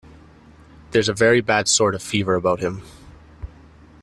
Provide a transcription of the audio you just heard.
There's a very bad sort of fever about him.